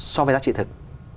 so với giá trị thực